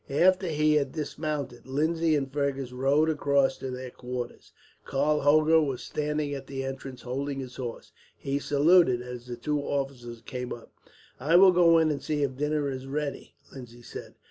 After he had dismounted, Lindsay and Fergus rode across to their quarters. Karl Hoger was standing at the entrance, holding his horse. He saluted as the two officers came up. "I will go in and see if dinner is ready," Lindsay said.